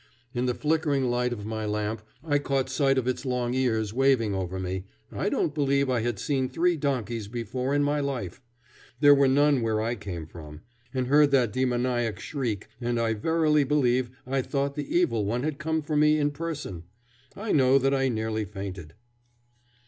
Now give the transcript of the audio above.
In the flickering light of my lamp I caught sight of its long ears waving over me I don't believe I had seen three donkeys before in my life; there were none where I came from and heard that demoniac shriek, and I verily believe I thought the evil one had come for me in person. I know that I nearly fainted.